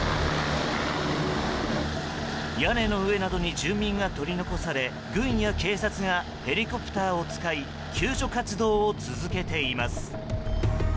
屋根の上などに住民が取り残され軍や警察がヘリコプターを使い救助活動を続けています。